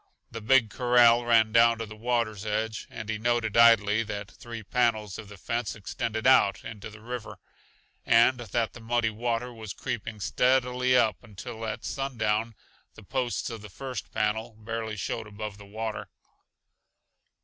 The big corral ran down to the water's edge, and he noted idly that three panels of the fence extended out into the river, and that the muddy water was creeping steadily up until at sundown the posts of the first panel barely showed above the water.